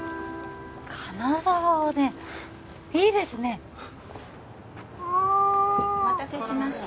金沢おでんいいですねああお待たせしました